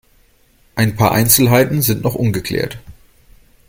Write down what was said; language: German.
Ein paar Einzelheiten sind noch ungeklärt.